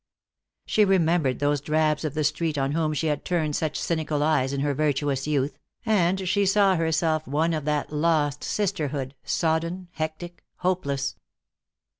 She remembered those drabs of the street on whom she had turned such cynical eyes in her virtuous youth, and she saw herself one of that lost sisterhood, sodden, hectic, hopeless.